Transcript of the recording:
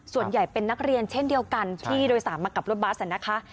ส่วนใหญ่เป็นนักเรียนเช่นเดียวกันที่โดยสารมากับรถบัสนะคะ